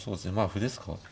歩ですか。